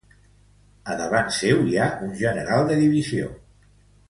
A davant seu, hi ha un general de divisió.